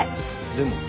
でも。